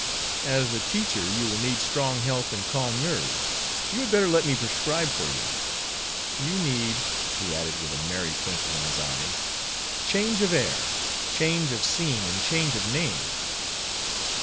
"As a teacher you will need strong health and calm nerves. You had better let me prescribe for you. You need," he added, with a merry twinkle in his eyes, "change of air, change of scene, and change of name."